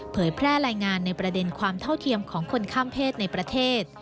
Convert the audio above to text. เผยแพร่รายงานในประเด็นความเท่าเทียมของคนข้ามเพศในประเทศ